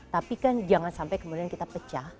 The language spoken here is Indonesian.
tapi kan jangan sampai kemudian kita pecah